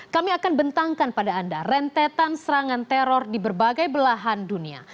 kami akan bentangkan pada anda rentetan serangan teror di berbagai belahan dunia